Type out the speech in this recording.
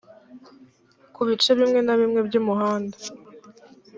ku bice bimwe na bimwe by umuhanda